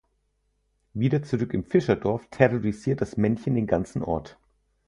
Wieder zurück im Fischerdorf terrorisiert das Männchen den ganzen Ort.